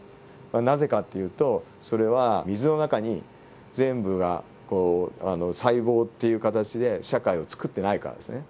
なぜかっていうとそれは水の中に全部が細胞っていう形で社会をつくってないからですね。